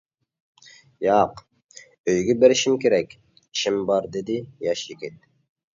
ياق، ئۆيگە بېرىشىم كېرەك، ئىشىم بار، دېدى ياش يىگىت.